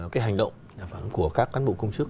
cái hành động của các cán bộ công chức